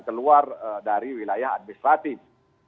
keluar dari wilayah administratif